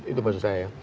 itu maksud saya ya